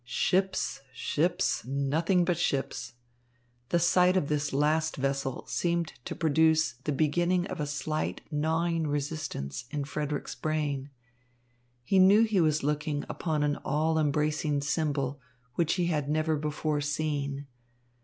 Ships, ships, nothing but ships! The sight of this last vessel seemed to produce the beginning of a slight gnawing resistance in Frederick's brain. He knew he was looking upon an all embracing symbol, which he had never before seen.